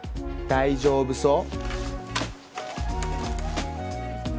大丈夫そう？